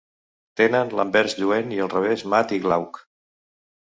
Tenen l'anvers lluent i el revers mat i glauc.